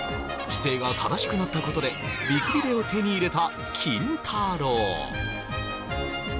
姿勢が正しくなったことで美くびれを手に入れたキンタロー。